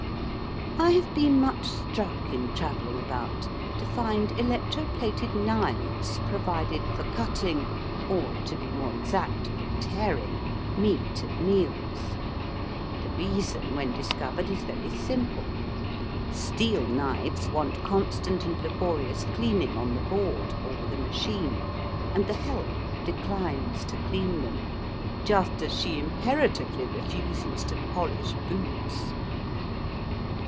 I have been much struck in travelling about^ to find electro plated knives provided for cutting— or, to be more exact, for tearing — Digitized by VjOOQIC THE LABOUR QUESTION. 141 meat at meals. The reason when discovered is very simple. Steel knives want constant and laborious cleaning on the board, or with a machine, and the help declines to clean them, just as she imperatively refuses to polish boots.